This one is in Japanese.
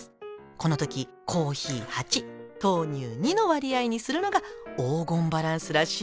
この時コーヒー８豆乳２の割合にするのが黄金バランスらしいの。